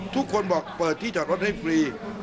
ทุกคนบอกเปิดที่จอดรถให้ฟรี